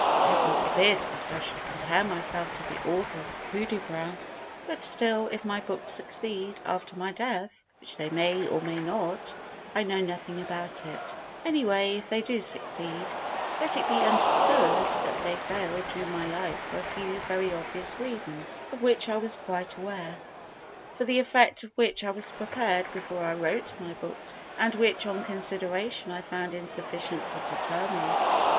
Heaven forbid that I should compare myself to the author of Hudibras, but still, if my books succeed after my death—which they may or may not, I know nothing about it—any way, if they do succeed, let it be understood that they failed during my life for a few very obvious reasons of which I was quite aware, for the effect of which I was prepared before I wrote my books, and which on consideration I found insufficient to deter me.